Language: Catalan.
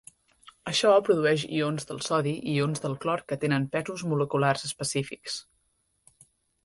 Això produeix ions del sodi i ions del clor que tenen pesos moleculars específics.